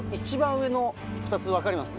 ２つ分かります？